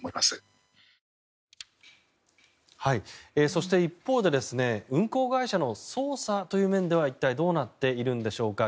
そして、一方で運航会社の捜査という面では一体どうなっているんでしょうか。